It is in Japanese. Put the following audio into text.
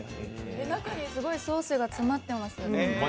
中に、すごいソースが詰まってます。